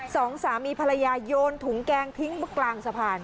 สองสามีภรรยาโยนถุงแกงทิ้งกลางสะพาน